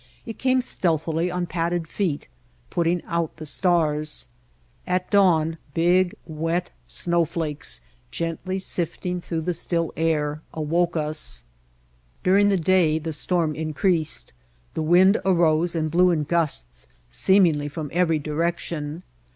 It came stealthily on padded feet, putting out the stars. At dawn big wet snowflakes gently sifting through the still air awoke us. Snowstorm and Sandstorm During the day the storm increased. The wind arose and blew in gusts seemingly from every direction.